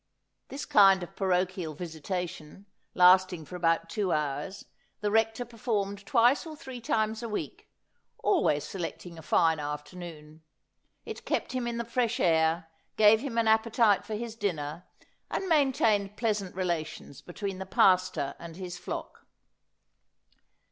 This kind of parochial visitation, lasting for about two hours, the Rector performed twice or three times a week, always selecting a fine afternoon. It kept him in the fresh air, gave him an appetite for his dinner, and maintained pleasant rela tions between the pastor and his flock.